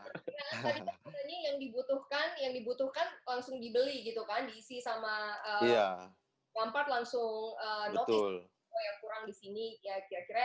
tadi katanya yang dibutuhkan langsung dibeli gitu kan diisi sama lampard langsung notice